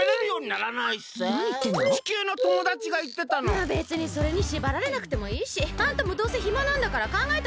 まあべつにそれにしばられなくてもいいし。あんたもどうせひまなんだからかんがえといて。